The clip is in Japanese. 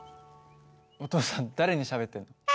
お父さん誰にしゃべってるの？